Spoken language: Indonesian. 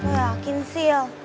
lo yakin sih el